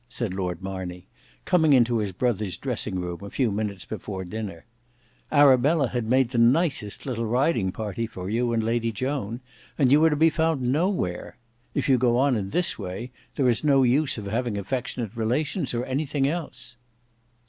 said Lord Marney coming into his brother's dressing room a few minutes before dinner; "Arabella had made the nicest little riding party for you and Lady Joan, and you were to be found nowhere. If you go on in this way, there is no use of having affectionate relations, or anything else."